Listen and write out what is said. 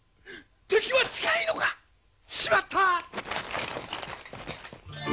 敵は近いのか！？しまった！